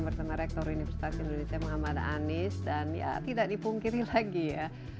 bersama rektor universitas indonesia muhammad anies dan ya tidak dipungkiri lagi ya